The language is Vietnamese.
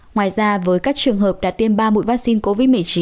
ngoài ra với các trường hợp đã tiêm ba mũi vaccine covid một mươi chín